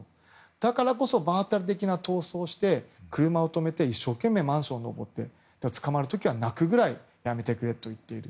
だからこそ場当たり的な逃走をして車を止めて一生懸命マンション上って捕まる時は泣くぐらい、やめてくれと言っている。